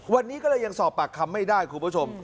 วันนี้ก็เลยยังสอบปากคำไม่ได้คุณผู้ชม